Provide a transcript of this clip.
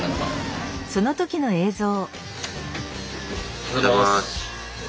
おはようございます。